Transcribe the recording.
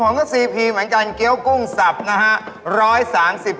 ของผมก็ซีพีมันจันเกี้ยวกุ้งสับนะฮะ